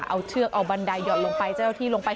เอาเชือกเอาบันไดหย่อนลงไปเจ้าหน้าที่ลงไป